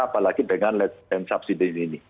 apalagi dengan subsiden ini